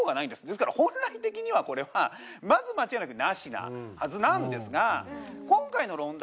ですから本来的にはこれはまず間違いなく「ナシ」なはずなんですが。